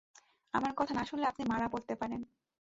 আমার কথা না শুনলে আপনি মারা পড়তে পারেন।